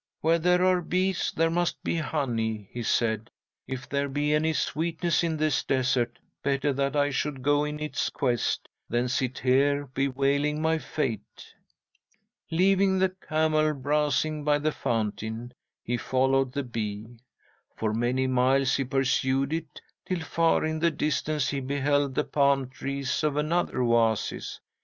"Where there are bees, there must be honey," he said. "If there be any sweetness in this desert, better that I should go in its quest than sit here bewailing my fate." "'Leaving the camel browsing by the fountain, he followed the bee. For many miles he pursued it, till far in the distance he beheld the palm trees of another oasis.